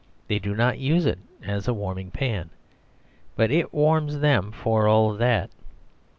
They do not use it as a warming pan; but it warms them for all that.